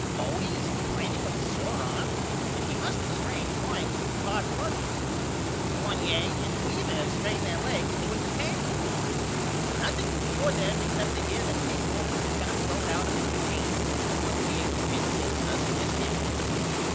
Bodie is complaining of a sore arm which he must of strained drawing to two card flushes. Fournier and Weaver have strained their legs doing the tango dance. Nothing could cure them except to hear that big Walter had got throwed out of his machine and wouldn't be able to pitch against us in this serious.